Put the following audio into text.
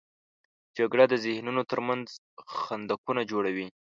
جګړه د ذهنونو تر منځ خندقونه جوړوي